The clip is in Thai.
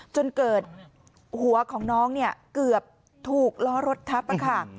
จนเกิดหัวของน้องเนี่ยเกือบถูกล้อรถทับค่ะ